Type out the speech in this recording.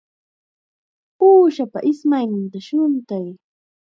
Uushapa ismayninta shuntay.